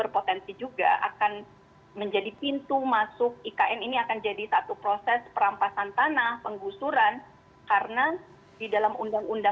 pembaruan agraria pembaruan agraria